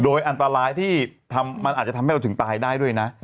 โดยอันตรายที่มันอาจจะทำให้เราถึงตายได้ด้วยนะ